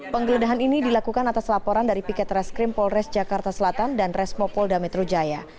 penggeledahan ini dilakukan atas laporan dari piket reskrim polres jakarta selatan dan resmo polda metro jaya